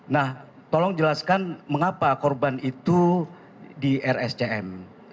nah tolong jelaskan mengapa korban itu di rscm